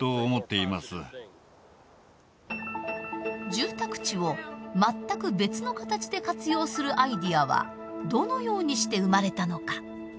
住宅地を全く別の形で活用するアイデアはどのようにして生まれたのか。